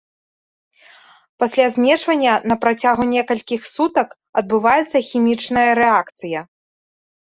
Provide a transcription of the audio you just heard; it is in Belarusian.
Пасля змешвання на працягу некалькіх сутак адбываецца хімічная рэакцыя.